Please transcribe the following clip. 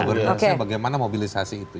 bagaimana mobilisasi itu